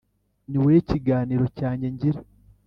Ni wowe kiganiro cyanjye ngira